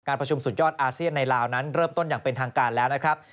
ประชุมสุดยอดอาเซียนในลาวนั้นเริ่มต้นอย่างเป็นทางการแล้วนะครับ